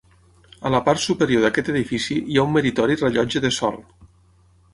A la part superior d'aquest edifici hi ha un meritori rellotge de sol.